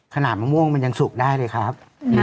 มะม่วงมันยังสุกได้เลยครับ